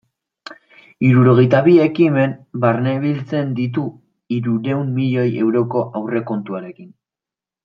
Hirurogeita bi ekimen barnebiltzen ditu, hirurehun milioi euroko aurrekontuarekin.